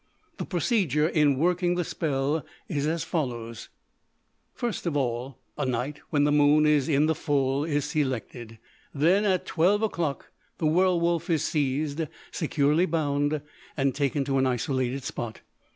The procedure in working the spell is as follows: First of all, a night when the moon is in the full is selected. Then at twelve o'clock the werwolf is seized, securely bound, and taken to an isolated spot.